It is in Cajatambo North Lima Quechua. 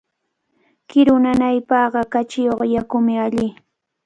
Kiru nanaypaqqa kachiyuq yakumi alli.